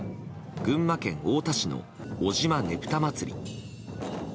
群馬県太田市の尾島ねぷたまつり。